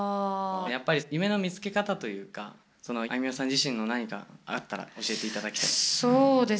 やっぱり夢の見つけ方というかあいみょんさん自身の何かがあったら教えていただきたいです。